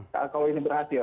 kalau ini berhasil